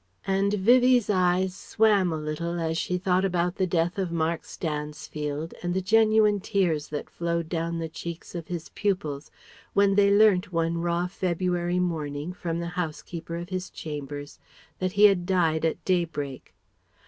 And Vivie's eyes swam a little as she thought about the death of Mark Stansfield, and the genuine tears that flowed down the cheeks of his pupils when they learnt one raw February morning from the housekeeper of his chambers that he had died at daybreak.